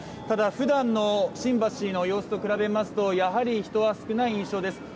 ただ普段の新橋の様子と比べますとやはり人は少ない印象です。